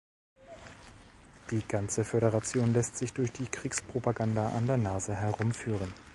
Die ganze Föderation lässt sich durch die Kriegspropaganda an der Nase herumführen.